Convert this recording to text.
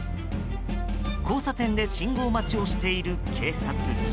交差点で信号待ちをしている警察。